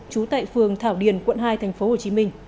trú tại phường thảo điền quận hai tp hcm